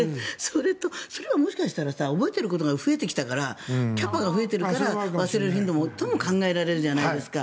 それはもしかしたら覚えてることが増えてきたからキャパが増えてきたから忘れる頻度もとも考えられるじゃないですか。